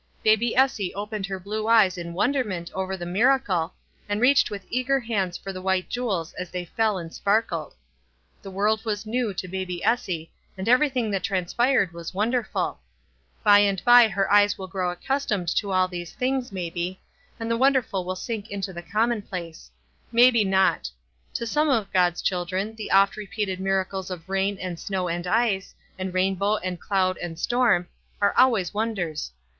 Baby Essie opened her blue eyes in wonderment over the miracle, and reached with eager hands after the white jewels as they fell and sparkled. The world was new to baby Essie, and everything that transpired was wonderful. By and by her eyes will grow accustomed to all these things, maybe, and the wonderful will sink into the commonplace. 310 WISE AND OTHERWISE. Maybe not. To some of God's children the oft repeated miracles of rain and snow and ice, and rainbow and cloud aud K storm, are always won ders.